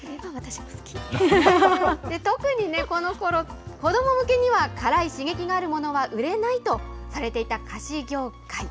特にね、このころ、子ども向けには辛い刺激があるものは売れないとされていた菓子業界。